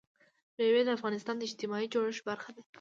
مېوې د افغانستان د اجتماعي جوړښت برخه ده.